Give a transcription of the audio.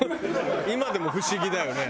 今でも不思議だよね。